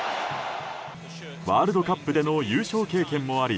ワールドカップでの優勝経験もあり